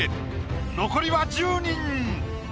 残りは１０人！